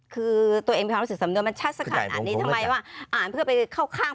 คือตัวเองมีความรู้สึกสำนวนมันชัดสักขนาดนี้ทำไมว่าอ่านเพื่อไปเข้าข้าง